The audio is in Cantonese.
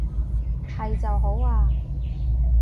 係就好啊